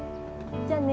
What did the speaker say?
じゃあね。